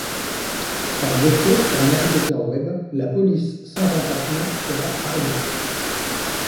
Par défaut pour un navigateur web, la police sans empattements sera Arial.